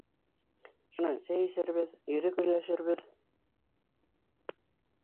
Шунан сәй эсербеҙ, йөҙөк өләшербеҙ.